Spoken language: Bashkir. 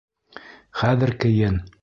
Хәҙер кейен!